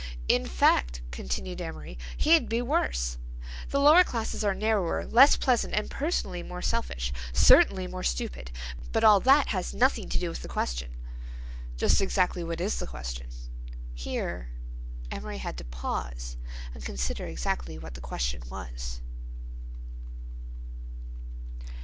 "In fact," continued Amory, "he'd be worse. The lower classes are narrower, less pleasant and personally more selfish—certainly more stupid. But all that has nothing to do with the question." "Just exactly what is the question?" Here Amory had to pause to consider exactly what the question was.